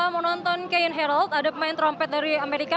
mau nonton kayin herald ada pemain trompet dari amerika